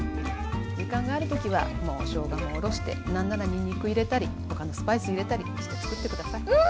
時間がある時はもうしょうがもおろして何ならにんにく入れたり他のスパイス入れたりして作って下さい。